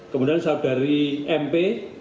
kemudian saudari mp